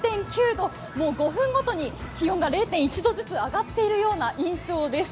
もう５分ごとに気温が０．１度ずつ上がっているような印象です。